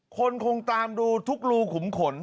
คนคงตามดูทุกรูขุมขน